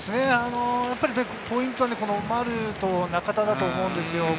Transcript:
ポイントは丸と中田だと思います。